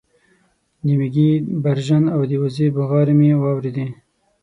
د مېږې برژن او د وزې بغارې مې واورېدې